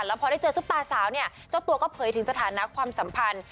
แล้วพอได้เจอซุปตาสาวเนี่ยเจ้าตัวก็เผยถึงสถานะความสัมพันธ์